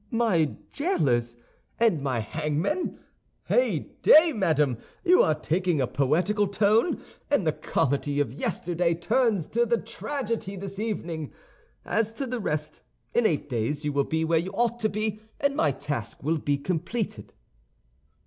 "My jailers and my hangmen! Heyday, madame! you are taking a poetical tone, and the comedy of yesterday turns to a tragedy this evening. As to the rest, in eight days you will be where you ought to be, and my task will be completed."